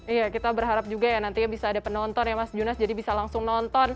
iya kita berharap juga ya nantinya bisa ada penonton ya mas junas jadi bisa langsung nonton